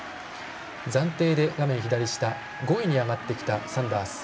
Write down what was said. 暫定で画面左下５位に上がってきたサンダース。